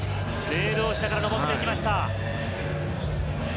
レールを下から上っていきました。